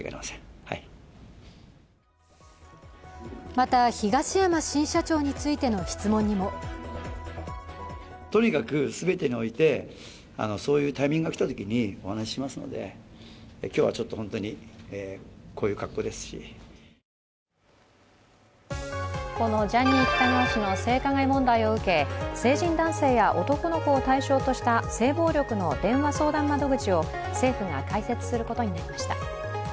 また、東山新社長についての質問にもこのジャニー喜多川氏の性加害問題を受け、成人男性や男の子を対象とした性暴力の電話相談窓口を政府が開設することになりました。